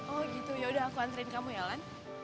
oh gitu yaudah aku antri kamu ya alan